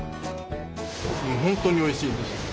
もう本当においしいです。